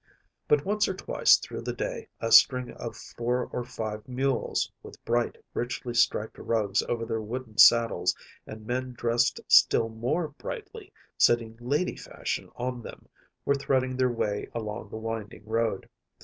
But once or twice through the day a string of four or five mules, with bright, richly striped rugs over their wooden saddles, and men dressed still more brightly sitting lady fashion on them, were threading their way along the winding road.